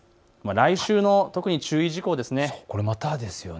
来週の特に注意事項ですね。